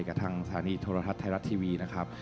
กับทางสถานีโทรทัศน์ไทยรัฐทีวีนะครับ